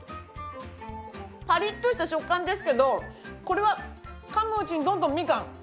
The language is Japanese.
パリッとした食感ですけどこれは噛むうちにどんどんみかん。